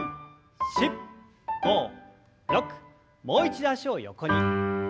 もう一度脚を横に。